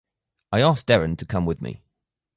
I asked Deren to come with me.